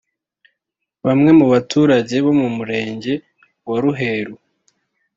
Bamwe mu baturage bo mu Murenge wa Ruheru